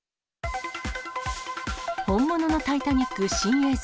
本物のタイタニック新映像。